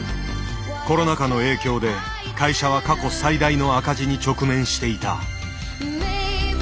コロナ禍の影響で会社は過去最大の赤字に直面していた。